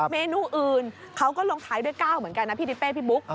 เมนูอื่นเขาก็ลงท้ายด้วย๙เหมือนกันนะพี่ทิเป้พี่บุ๊ค